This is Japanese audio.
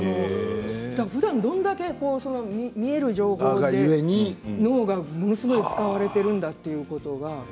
だから、ふだんどれだけ見える情報で脳がものすごく使われているかということが。